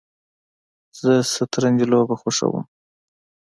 زه شطرنج لوبه خوښوم